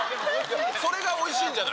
それがおいしいんじゃない。